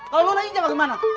kalau nona ini jangan kemana